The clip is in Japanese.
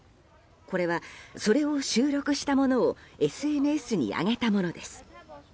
これは、それを収録したものをＳＮＳに上げたものです。